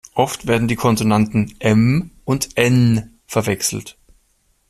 Oft werden die Konsonanten M und N verwechselt.